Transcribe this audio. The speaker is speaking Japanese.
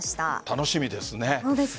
楽しみですね。